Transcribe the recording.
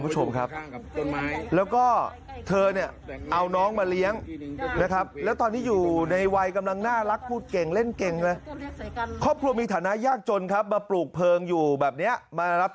จนครับมาปลูกเพลิงอยู่แบบเนี่ยมารับ